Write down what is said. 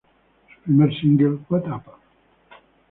Su primer single, "What Up?